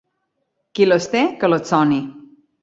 Qui les té, que les soni.